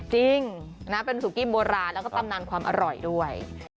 จริงนะเป็นสุกี้โบราณแล้วก็ตำนานความอร่อยด้วย